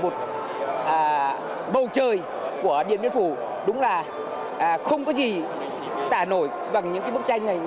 một bầu trời của điện biên phủ đúng là không có gì tả nổi bằng những cái bức tranh này